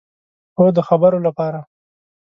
هو، د خبرو لپاره